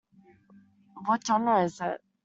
What genre is it?